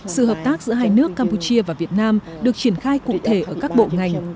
sự hợp tác giữa hai nước campuchia và việt nam được triển khai cụ thể ở các bộ ngành